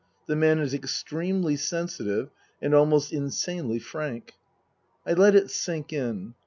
The man is extremely sensitive and almost insanely frank." I let it sink in.